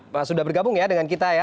pak sudah bergabung ya dengan kita ya